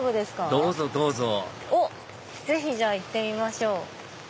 どうぞどうぞぜひじゃあ行ってみましょう。